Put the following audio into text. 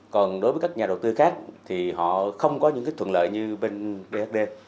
còn đối với các nhà đầu tư khác thì họ không có những thuận lợi như bên bhd